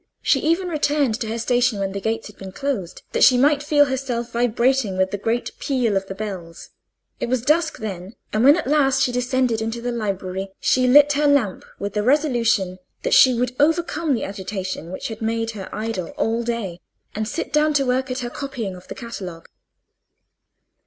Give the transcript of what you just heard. She even returned to her station when the gates had been closed, that she might feel herself vibrating with the great peal of the bells. It was dusk then, and when at last she descended into the library, she lit her lamp with the resolution that she would overcome the agitation which had made her idle all day, and sit down to work at her copying of the catalogue.